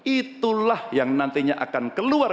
itulah yang nantinya akan keluar